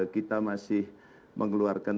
kita masih mengeluarkan